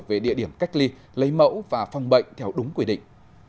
về địa điểm cách ly lấy mẫu và phòng bệnh theo đúng quy định